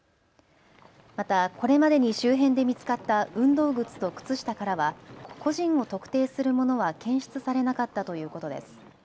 また、これまでに周辺で見つかった運動靴と靴下からは個人を特定するものは検出されなかったということです。